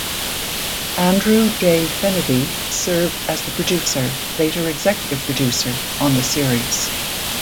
Andrew J. Fenady served as the producer, later executive producer, on the series.